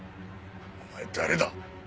お前誰だ？